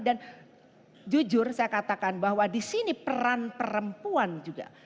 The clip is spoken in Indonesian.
dan jujur saya katakan bahwa disini peran perempuan juga